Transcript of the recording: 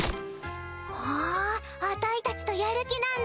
ふんあたいたちとやる気なんだ？